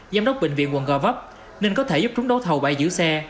giám đốc bệnh viện quận gò vấp nên có thể giúp chúng đấu thầu bãi giữ xe